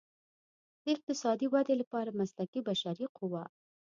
د اقتصادي ودې لپاره مسلکي بشري قوه.